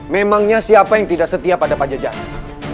memangnya siapa yang tidak setia pada pak jajaran